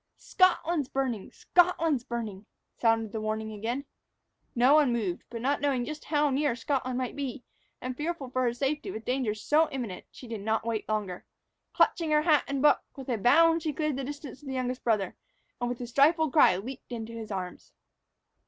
"Scotland's burning! Scotland's burning!" sounded the warning again. No one moved. But, not knowing just how near Scotland might be, and fearful for her safety with danger so imminent, she did not wait longer. Clutching her hat and book, with a bound she cleared the distance to the youngest brother, and, with a stifled cry, leaped into his arms.